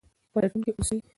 پلټونکي اوسئ.